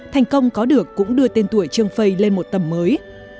thành công có được cũng đưa tên tuổi trương phây lên một tầm mới